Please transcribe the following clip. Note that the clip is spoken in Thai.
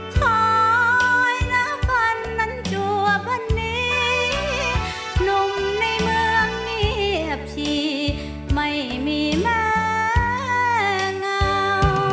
ถอยแล้วฝันนั้นจัวคนนี้หนุ่มในเมืองเงียบชีไม่มีแม่เงา